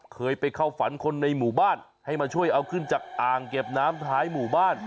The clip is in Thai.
เคยไปเข้าฝันคนในหมู่บ้านให้มาช่วยเอาขึ้นจากอ่างเก็บน้ำท้ายหมู่บ้าน